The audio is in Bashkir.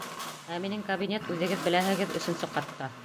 Ә минең кабинет, үҙегеҙ беләһегеҙ, өсөнсө ҡатта.